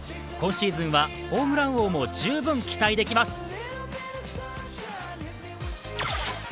今シーズンはホームラン王も十分期待できます。